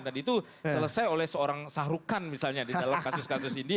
dan itu selesai oleh seorang sahrukan misalnya di dalam kasus kasus india